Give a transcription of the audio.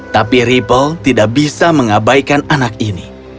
tapi ripple tidak bisa mengabaikan anak ini